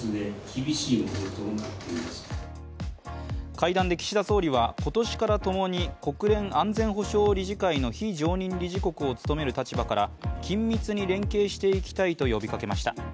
会談で岸田総理は今年から共に国連安全保障理事会の非常任理事国を務める立場から緊密に連携していきたいと呼びかけました。